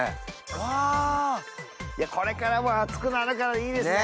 うわこれからもう暑くなるからいいですね。